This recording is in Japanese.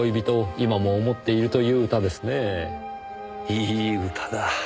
いい歌だ。